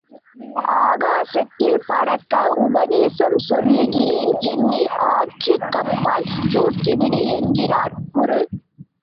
ஆகாசத்தில் பறக்க உபதேசம் சொல்லுகிறேன் என்னை ஆற்றுக் கப்பால் தூக்கிவிடு என்கிறார் குரு.